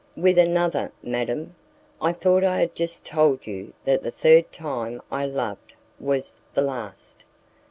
"With another, madam? I thought I had just told you that the third time I loved was the last."